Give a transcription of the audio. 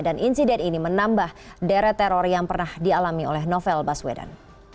dan insiden ini menambah deret teror yang pernah dialami oleh novel baswedan